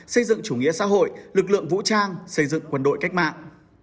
xây dựng chủ nghĩa xã hội lực lượng vũ trang xây dựng quân đội cách mạng